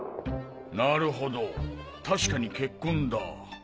なるほど確かに血痕だ。